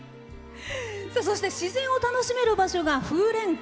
そして、自然が楽しめる場所が風蓮湖。